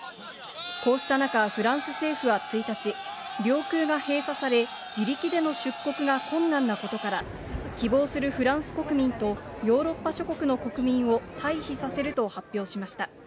こうした中、フランス政府は１日、領空が閉鎖され、自力での出国が困難なことから、希望するフランス国民とヨーロッパ諸国の国民を退避させると発表しました。